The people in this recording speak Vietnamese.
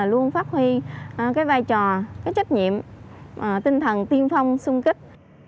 luôn phát huy vai trò trách nhiệm tinh thần tiên phong sung kích